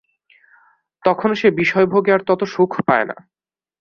তখন সে বিষয়ভোগে আর তত সুখ পায় না।